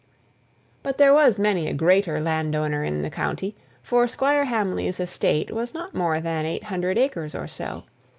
But there was many a greater land owner in the county, for Squire Hamley's estate was not more than eight hundred acres or so.